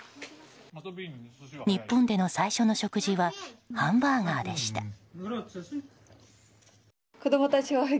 日本での最初の食事はハンバーガーでした。